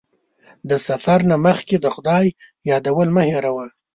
د سفر نه مخکې د خدای یادول مه هېروه.